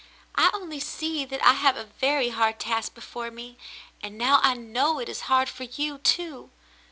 I only see that I have a very hard task before me, and now I know it is hard for you, too.